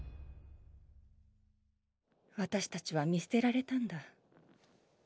私たちは見捨てられたんだ。